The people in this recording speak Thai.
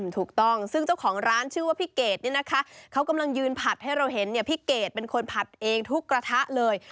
ถูกต้องซึ่งเจ้าของร้านชื่อว่าพี่เกดเนี่ยนะคะเขากำลังยืนผัดให้เราเห็นเนี่ยพี่เกดเป็นคนผัดเองทุกกระทะเลย